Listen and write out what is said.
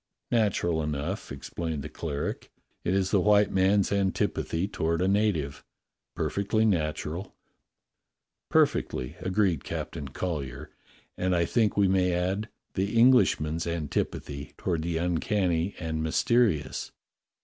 "Natural enough," explained the cleric. "It is the white man's antipathy toward a native. Perfectly nat ural." "Perfectly," agreed Captain Collyer. "And I think we may add the Englishman's antipathy toward the uncanny and mysterious."